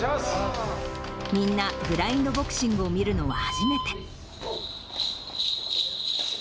みんな、ブラインドボクシングを見るのは初めて。